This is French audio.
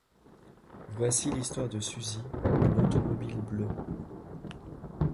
Voici l'histoire de Susie, une automobile bleue.